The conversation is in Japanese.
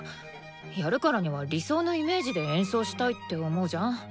やるからには理想のイメージで演奏したいって思うじゃん？